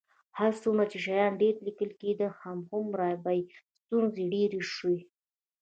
هر څومره چې شیان ډېر لیکل کېدل، همغومره به یې ستونزې ډېرې شوې.